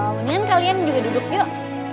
kemudian kalian juga duduk yuk